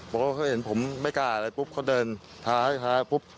เพราะเขาเห็นผมไม่กล้าแล้วปุ๊บเขาเดินท้าปุ๊บ